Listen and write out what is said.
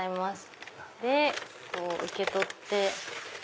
こう受け取って。